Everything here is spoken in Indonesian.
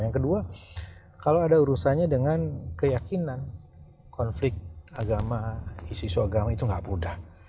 yang kedua kalau ada urusannya dengan keyakinan konflik agama isu isu agama itu nggak mudah